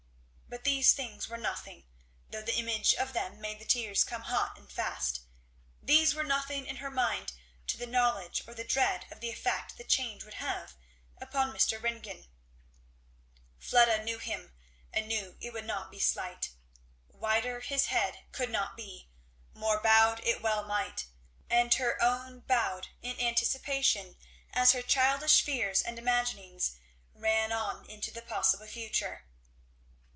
But these things were nothing, though the image of them made the tears come hot and fast, these were nothing in her mind to the knowledge or the dread of the effect the change would have upon Mr. Ringgan. Fleda knew him and knew it would not be slight. Whiter his head could not be, more bowed it well might, and her own bowed in anticipation as her childish fears and imaginings ran on into the possible future.